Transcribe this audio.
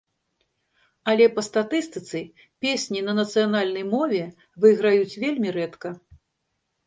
Але па статыстыцы песні на нацыянальнай мове выйграюць вельмі рэдка.